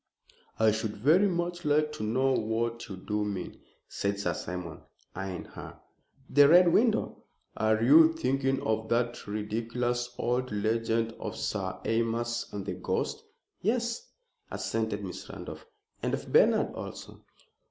"I should very much like to know what you do mean," said Sir Simon, eyeing her. "The Red Window! Are you thinking of that ridiculous old legend of Sir Aymas and the ghost?" "Yes," assented Miss Randolph, "and of Bernard also."